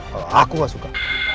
kalau aku gak suka